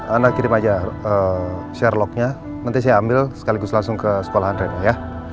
anda kirim aja sherlock nya nanti saya ambil sekaligus langsung ke sekolah rena ya